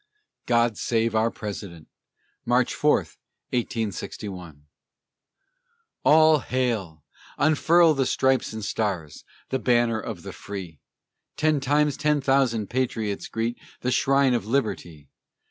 GOD SAVE OUR PRESIDENT [March 4, 1861] All hail! Unfurl the Stripes and Stars! The banner of the free! Ten times ten thousand patriots greet The shrine of Liberty!